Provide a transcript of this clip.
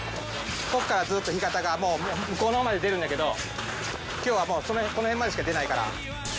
こっからずっと干潟が向こうの方まで出るんじゃけど今日はもうこの辺までしか出ないから。